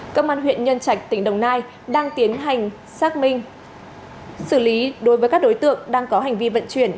công an huyện nhân trạch tỉnh đồng nai đang tiến hành xác minh xử lý đối với các đối tượng đang có hành vi vận chuyển